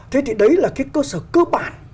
thế thì đấy là cái cơ sở cơ bản